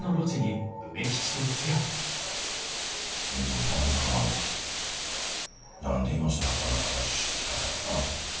ほんでもタカさんも何で今更こんな話してきたんやろな。